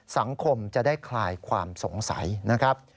สังคมจะได้คลายความสงสัยนะครับ